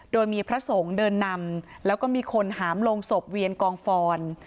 โดยมีพระสงฆ์เดินนำแล้วก็มีคนหามลงศพเวียนกองฟอน